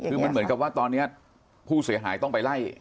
คือมันเหมือนกับว่าตอนนี้ผู้เสียหายต้องไปไล่